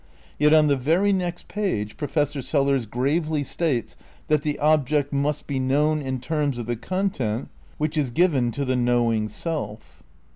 Yet on the very next page Professor Sellars gravely states that "the object must be known in terms of the content which is given to the knowing self."